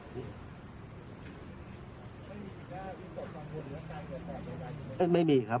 ไม่มีครับไม่มีครับ